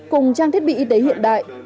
cùng trang thiết bị y tế hiện đại